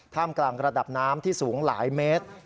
กำลังระดับน้ำที่สูงหลายเมตร